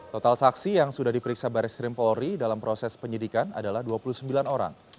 total saksi yang sudah diperiksa baris krim polri dalam proses penyidikan adalah dua puluh sembilan orang